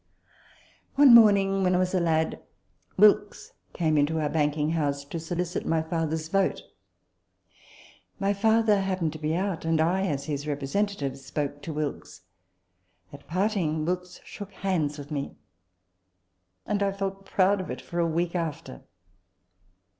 One morning, when I was a lad, Wilkes came into our banking house to solicit my father's vote. My father happened to be out, and I, as his repre sentative, spoke to Wilkes. At parting, Wilkes shook hands with me ; and I felt proud of it for a week after.